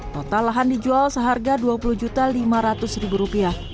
total lahan dijual seharga rp dua puluh lima ratus